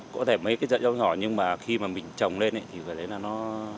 có thể mấy cái rau nhỏ nhưng mà khi mà mình trồng lên thì phải lấy là nó